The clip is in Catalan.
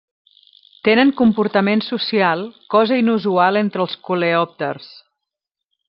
Tenen comportament social, cosa inusual entre els coleòpters.